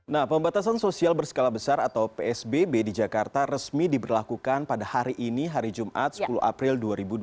nah pembatasan sosial berskala besar atau psbb di jakarta resmi diberlakukan pada hari ini hari jumat sepuluh april dua ribu dua puluh